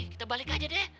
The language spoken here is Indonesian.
kita balik aja deh